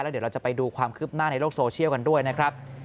เดี๋ยวเราจะไปดูความคืบหน้าในโลกโซเชียลกันด้วยนะครับ